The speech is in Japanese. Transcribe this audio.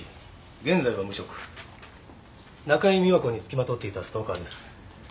現在は無職中井美和子に付きまとっていたストーカーです